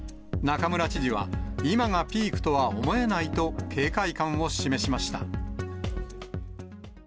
中村知事は、今がピークとは思えないと警戒感を示しました。